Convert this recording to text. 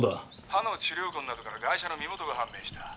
歯の治療痕などからガイ者の身元が判明した。